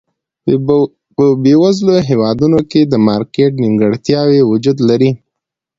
په بېوزلو هېوادونو کې د مارکېټ نیمګړتیاوې وجود لري.